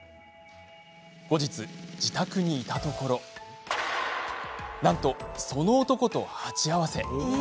後日、自宅にいたところなんと、その男と鉢合わせ。